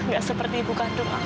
gak seperti ibu kandung